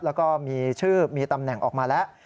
แล้วก็มีชื่อมีตำแหน่งออกมาแล้ว